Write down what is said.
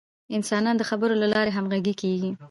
انسانان د خبرو له لارې همغږي کېږي.